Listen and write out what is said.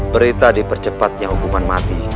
berita dipercepatnya hukuman mati